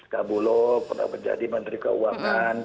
kabulo pernah menjadi menteri keuangan